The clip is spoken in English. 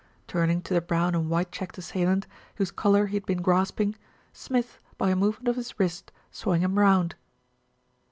Turning to the brown and white checked assailant, whose collar he had been grasping, Smith, by a move ment of his wrist, swung him round.